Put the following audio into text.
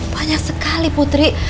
banyak sekali putri